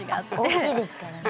大きいですからね